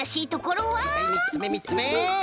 はいはいみっつめみっつめ。